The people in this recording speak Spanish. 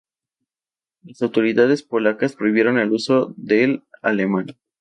Las autoridades polacas prohibieron el uso del alemán.